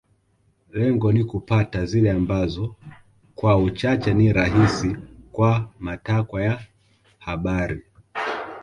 Lengo ni kupata zile ambazo kwa uchache ni rahisi kwa matakwa ya habari